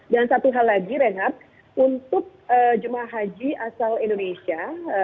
dan satu hal lagi renhardt untuk jemaah haji asal indonesia